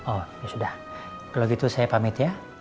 oh ya sudah kalau gitu saya pamit ya